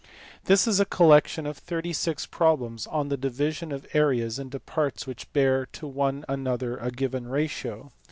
This is a collection of 36 problems on the division of areas into parts which bear to one another a given ratio.